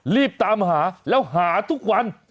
รีบตามหาแล้วหาทุกวัน